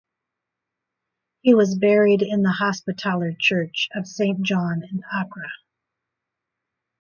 He was buried in the Hospitaller church of Saint John in Acre.